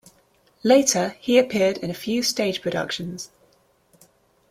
Later he appeared in a few stage productions.